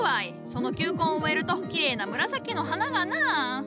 その球根を植えるときれいな紫の花がなぁ。